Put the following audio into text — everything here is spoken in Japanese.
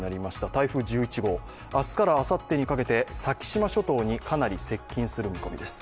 台風１１号、明日からあさってにかけて先島諸島にかなり接近する見込みです。